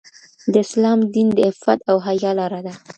د اسلام دین د عفت او حیا لاره ده.